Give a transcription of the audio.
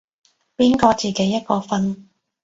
邊個自己一個瞓